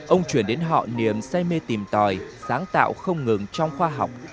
ông truyền đến họ niềm say mê tìm tòi sáng tạo không ngừng trong khoa học